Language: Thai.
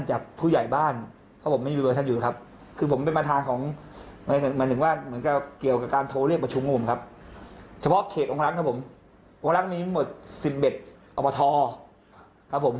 เฉพาะเขตองคลักษณ์นะครับผมองคลักษณ์มีหมด๑๑อบทครับผม